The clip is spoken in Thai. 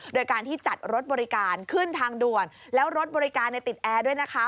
โดยการที่จัดรถบริการขึ้นทางด่วนแล้วรถบริการติดแอร์ด้วยนะคะ